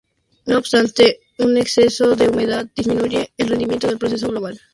No obstante un exceso de humedad disminuye el rendimiento del proceso global.